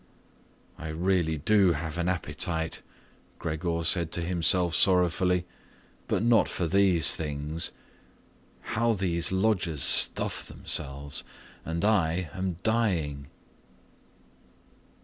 "I really do have an appetite," Gregor said to himself sorrowfully, "but not for these things. How these lodgers stuff themselves, and I am dying."